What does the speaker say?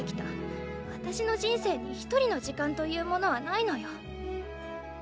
私の人生にひとりの時間というものはないのよ。